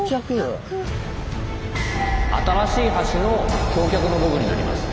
新しい橋の橋脚の部分になります。